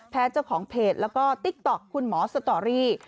เจ้าของเพจแล้วก็ติ๊กต๊อกคุณหมอสตอรี่